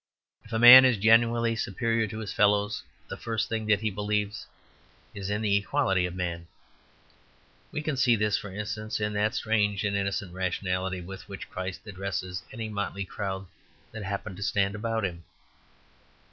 If a man is genuinely superior to his fellows the first thing that he believes in is the equality of man. We can see this, for instance, in that strange and innocent rationality with which Christ addressed any motley crowd that happened to stand about Him.